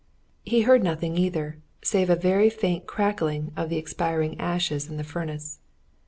He heard nothing, either, save a very faint crackling of the expiring ashes in that furnace.